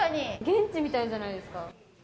現地みたいじゃないですか。